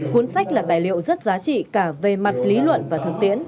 cuốn sách là tài liệu rất giá trị cả về mặt lý luận và thực tiễn